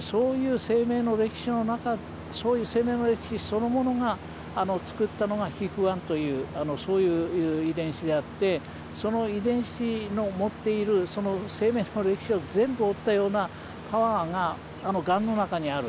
そういう生命の歴史そのものがつくったのがＨＩＦ−１という遺伝子であってその遺伝子の持っている生命の歴史を全部負ったようなパワーががんの中にある。